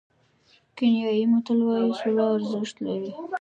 کینیايي متل وایي سوله ارزښت لري.